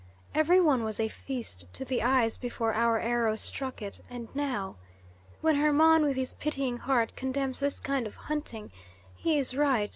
Every one was a feast to the eyes before our arrows struck it, and now? When Hermon, with his pitying heart, condemns this kind of hunting, he is right.